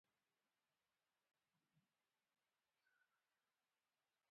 دا څو ورځې کېږي چې د قطر کیسه ډېره ګرمه ده.